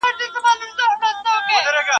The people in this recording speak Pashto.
o چي نامردو اسونه وکړل، اول ئې پر خپلو وترپول.